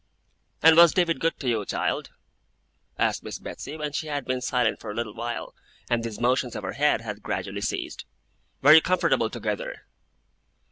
'And was David good to you, child?' asked Miss Betsey, when she had been silent for a little while, and these motions of her head had gradually ceased. 'Were you comfortable together?